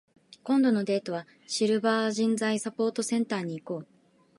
今度のデートは、シルバー人材サポートセンターに行こう。